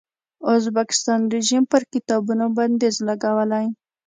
ازبکستان رژیم پر کتابونو بندیز لګولی.